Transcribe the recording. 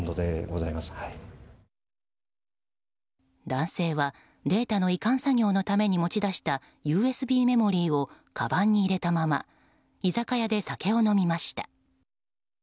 男性はデータの移管作業のために持ち出したＵＳＢメモリーをかばんに入れたまま居酒屋で酒を飲みました。